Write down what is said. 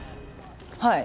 はい。